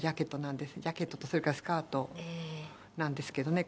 ジャケットとそれからスカートなんですけどね。